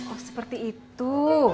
oh oh seperti itu